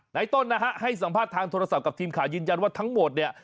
ต้นนะฮะให้สัมภาษณ์ทางโทรศัพท์กับทีมข่าวยืนยันว่าทั้งหมดเนี่ย